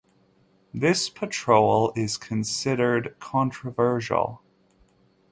This patrol is considered controversial.